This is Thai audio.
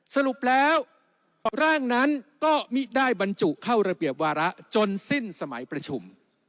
สรุปแล้วร่างนั้นก็มิได้บรรจุเข้าระเบียบวาระจนสิ้นสมัยประชุม